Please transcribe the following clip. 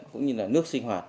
cũng như là nước sinh hoạt